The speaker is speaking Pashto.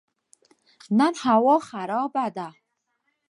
نن هوا خراب ده